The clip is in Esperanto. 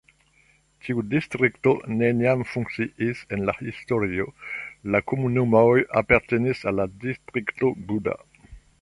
Tiu distrikto neniam funkciis en la historio, la komunumoj apartenis al Distrikto Buda.